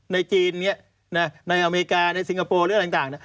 ในจีนในอเมริกาในสิงคโปร์หรืออะไรต่าง